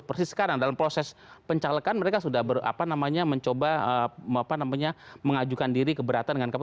persis sekarang dalam proses pencalekan mereka sudah mencoba mengajukan diri keberatan dengan